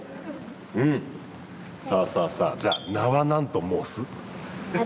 さあさあさあじゃあ名は何と申す？